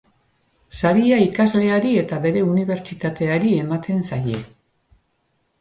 Saria ikasleari eta bere unibertsitateari ematen zaie.